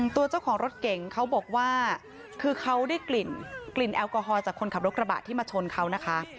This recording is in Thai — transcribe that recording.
ตัวเจ้าของรถเก่งเขาบอกว่าคือเขาได้กลิ่นกลิ่นแอลกอฮอล์จากคนขับรถกระบะที่มาชนเขานะคะ